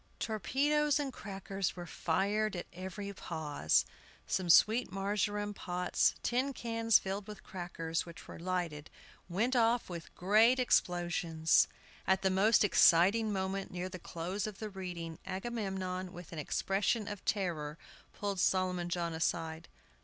Torpedoes and crackers were fired at every pause. Some sweet marjoram pots, tin cans filled with crackers which were lighted, went off with great explosions. At the most exciting moment, near the close of the reading, Agamemnon, with an expression of terror, pulled Solomon John aside.